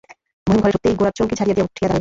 মহিম ঘরে ঢুকিতেই গোরা চৌকি ছাড়িয়া উঠিয়া দাঁড়াইল।